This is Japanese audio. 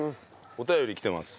お便り来てます。